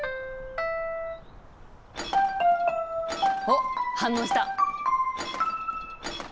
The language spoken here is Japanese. おっ反応した！